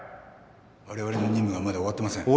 我々の任務はまだ終わってません。